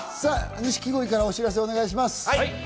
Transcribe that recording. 錦鯉からお知らせお願いします。